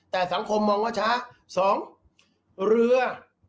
แต่สังคมมองว่าช้า๒เรือ